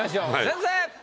先生！